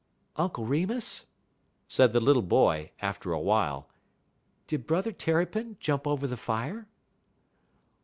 "Uncle Remus," said the little boy, after a while, "did Brother Terrapin jump over the fire?"